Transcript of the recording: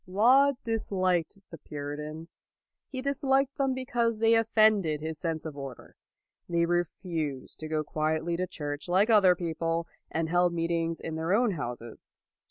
Laud disliked the Puritans. He dis liked them because they offended his sense of order. They refused to go quietly to church like other people, and held meet ings in their own houses.